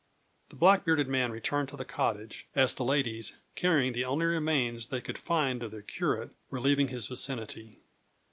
The black bearded man returned to the cottage as the ladies, carrying the only remains they could find of their curate, were leaving his vicinity.